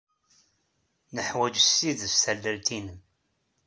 Neḥwaj s tidet tallalt-nnem.